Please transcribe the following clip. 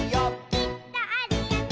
「きっとあるよね」